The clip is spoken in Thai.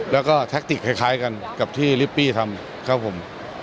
แล้วก็แท็กติกคล้ายกันกับที่ลิปปี้ทำครับผม